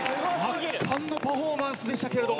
圧巻のパフォーマンスでしたけど。